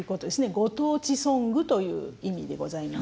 ご当地ソングという意味でございます。